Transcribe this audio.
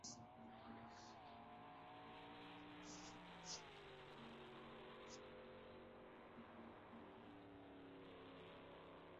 ہر روش کھنچ گئی کماں کی طرح